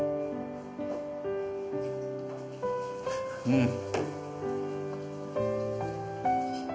うん。